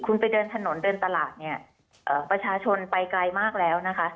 คุณไปเดินถนนเดินตลาดเนี่ยประชาชนไปไกลมากแล้วนะคะ